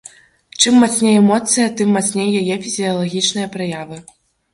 Чым мацней эмоцыя, тым мацней яе фізіялагічныя праявы.